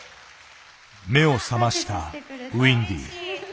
目を覚ましたウインディ。